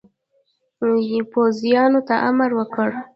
پوځیانو ته امر وکړ.